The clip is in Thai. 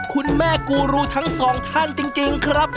คุณแม่กูรูทั้งสองท่านจริงครับ